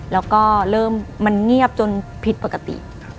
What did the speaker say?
แล้วก็เริ่มมันเงียบจนผิดปกติ